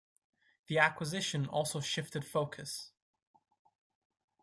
The acquisition also shifted focus.